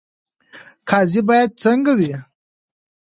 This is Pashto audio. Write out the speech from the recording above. قاضي باید څنګه وي؟